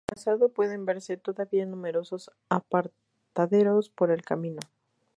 Trazado pueden verse todavía numerosos apartaderos por el camino.